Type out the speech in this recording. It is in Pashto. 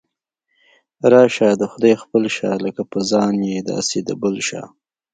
راشه د خدای خپل شه، لکه په ځان یې داسې په بل شه.